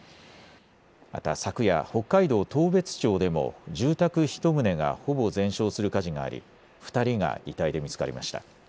また昨夜、北海道当別町でも住宅１棟がほぼ全焼する火事があり２人が遺体で見つかりました。